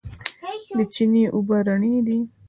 د چينې اوبه رڼې دي.